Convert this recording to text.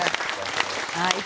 はい。